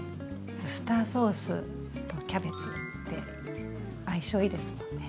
ウスターソースとキャベツって相性いいですもんね。